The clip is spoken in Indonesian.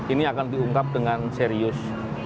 ini akan diungkap dengan serius